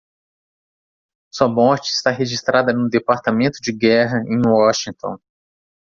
Sua morte está registrada no Departamento de Guerra em Washington.